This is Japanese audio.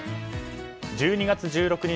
１２月１６日